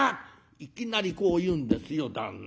いきなりこう言うんですよ旦那。